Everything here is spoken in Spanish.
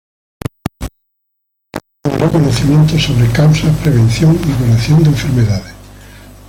De tal manera, generó conocimientos sobre causas, prevención y curación de enfermedades.